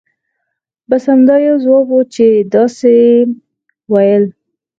بس همدا یو ځواب وو چې داسې یې ویل.